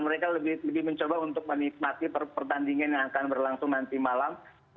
mereka lebih mencoba untuk menikmati pertandingan yang akan berlangsung nanti malam